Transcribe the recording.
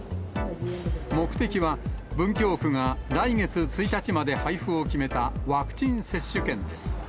目的は、文京区が来月１日まで配布を決めた、ワクチン接種券です。